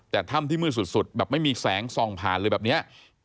แต่ถ้ำที่มืดสุดแบบไม่มีแสงส่องผ่านเลยแบบนี้